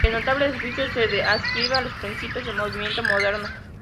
El notable edificio se adscribe a los principios del Movimiento Moderno.